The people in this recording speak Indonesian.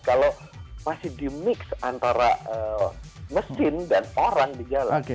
kalau masih di mix antara mesin dan orang di jalan